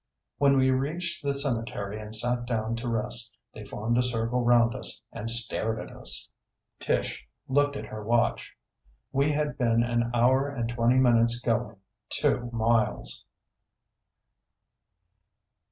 When we reached the cemetery and sat down to rest they formed a circle round us and stared at us. Tish looked at her watch. We had been an hour and twenty minutes going two miles!